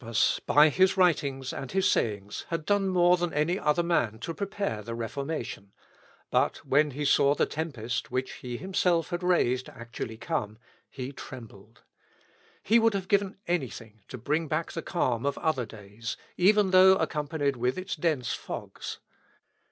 Erasmus, by his writings and his sayings, had done more than any other man to prepare the Reformation; but, when he saw the tempest, which he himself had raised, actually come, he trembled. He would have given anything to bring back the calm of other days, even though accompanied with its dense fogs.